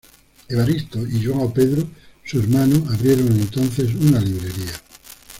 Evaristo y João Pedro, su hermano, abrieron entonces una librería.